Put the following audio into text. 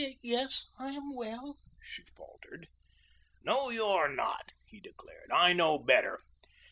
"Yes I am well," she faltered. "No, you're not," he declared. "I know better.